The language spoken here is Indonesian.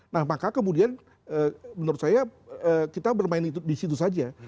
nah maka kemudian menurut saya kita bermain di situ saja